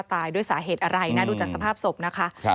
ตายด้วยสาเหตุอะไรนะดูจากสภาพศพนะคะ